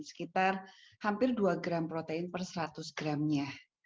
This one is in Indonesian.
sekitar hampir dua gram protein per seratus gramnya